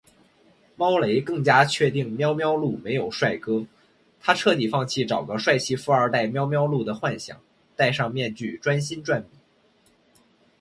猫雷更加确定喵喵露没有帅哥，她彻底放弃找个帅气富二代喵喵露的幻想，戴上面具专心赚米